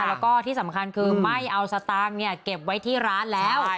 แล้วก็ที่สำคัญคือไม่เอาสตางค์เก็บไว้ที่ร้านแล้ว